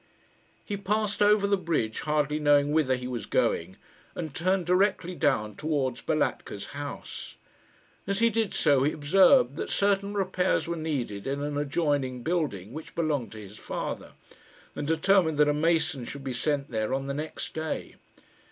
He passed over the bridge, hardly knowing whither he was going, and turned directly down towards Balatka's house. As he did so he observed that certain repairs were needed in an adjoining building which belonged to his father, and determined that a mason should be sent there on the next day.